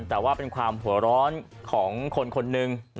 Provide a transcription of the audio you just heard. แต่ว่าเป็นความหัวร้อนของคนคนหนึ่ง